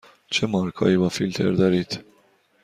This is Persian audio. چه مارک هایی با فیلتر دارید؟